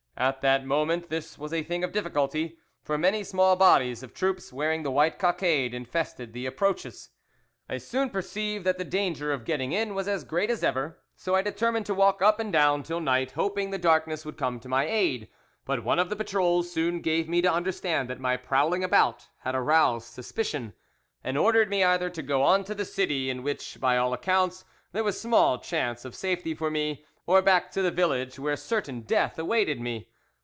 At that moment this was a thing of difficulty, for many small bodies of troops, wearing the white cockade, infested the approaches. I soon perceived that the danger of getting in was as great as ever, so I determined to walk up and down till night, hoping the darkness would come to my aid; but one of the patrols soon gave me to understand that my prowling about had aroused suspicion, and ordered me either to go on to the city, in which by all accounts there was small chance of safety for me, or back to the village; where certain death awaited me.